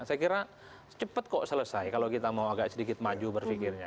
saya kira cepat kok selesai kalau kita mau agak sedikit maju berpikirnya